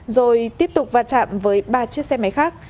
rồi tiếp tục va chạm với ba chiếc xe máy khác